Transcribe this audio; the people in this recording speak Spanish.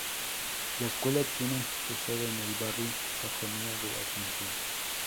La escuela tiene su sede en el Barrio Sajonia de Asunción.